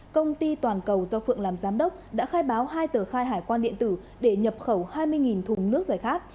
công ty toàn cầu do phượng làm giám đốc đã khai báo hai tờ khai hải quan điện tử để nhập khẩu hai mươi thùng nước giải khát